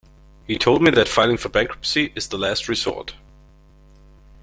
He told me that filing for bankruptcy is the last resort.